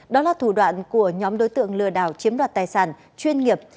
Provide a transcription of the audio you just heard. đó là thủ đoạn của nhóm đối tượng lừa đảo chiếm đoạt tài sản chuyên nghiệp